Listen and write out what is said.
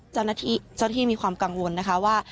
เจ้าหน้าที่มีความกังวลนะคะว่า